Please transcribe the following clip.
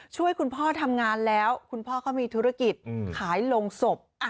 ช่วยคุณพ่อทำงานแล้วคุณพ่อเขามีธุรกิจขายลงศพ